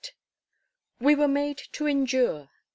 We were made to endure.